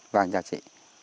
vâng chào chị